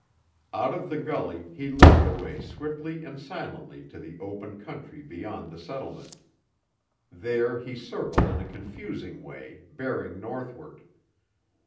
Out of the gully he led the way swiftly and silently to the open country beyond the settlement. There he circled in a confusing way, bearing northward.